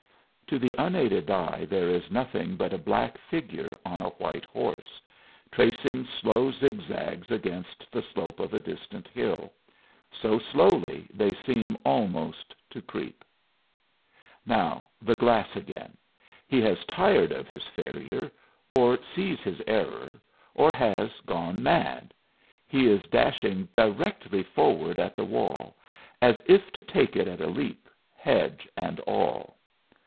To the unaided eye there is nothing but a black figure on a white horse, tracing slow zigzags against the slope of a distant hill so slowly they seem almost to creep. Now the glass again he has tired of his failure, or sees his error, or has gone mad; he is dashing directly forward at the wall, as if to take it at a leap, hedge and all!